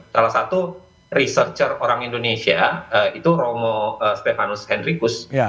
salah satu researcher orang indonesia itu romo stefanus henrycus